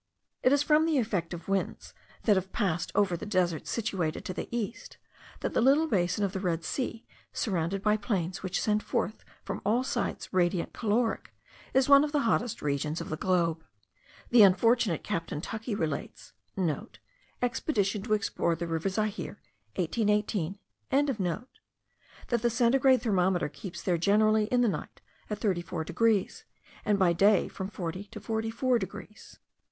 It is from the effect of winds that have passed over the deserts situated to the east, that the little basin of the Red Sea, surrounded by plains which send forth from all sides radiant caloric, is one of the hottest regions of the globe. The unfortunate captain Tuckey relates,* (* Expedition to explore the river Zahir, 1818.) that the centigrade thermometer keeps there generally in the night at 34 degrees, and by day from 40 to 44 degrees.